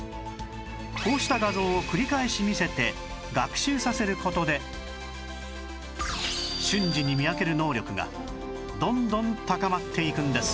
こうした画像を繰り返し見せて学習させる事で瞬時に見分ける能力がどんどん高まっていくんです